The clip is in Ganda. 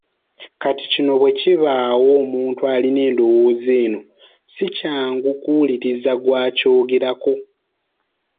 Kati kino bwe kibaawo omuntu alina endowooza eno si kyangu kuwuliriza gw’akyogerako.